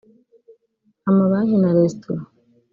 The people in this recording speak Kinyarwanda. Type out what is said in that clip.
amabanki na resitora